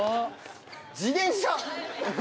自転車！